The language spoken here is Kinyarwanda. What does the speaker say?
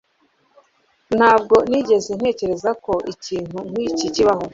Ntabwo nigeze ntekereza ko ikintu nkiki kibaho.